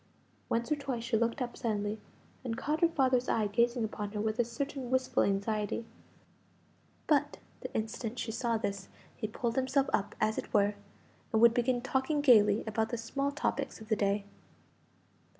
Once or twice she looked up suddenly, and caught her father's eye gazing upon her with a certain wistful anxiety; but the instant she saw this he pulled himself up, as it were, and would begin talking gaily about the small topics of the day.